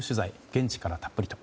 現地からたっぷりと。